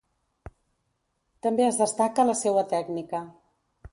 També es destaca la seua tècnica.